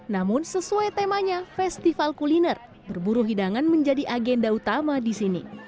namun sesuai temanya festival kuliner berburu hidangan menjadi agenda utama di sini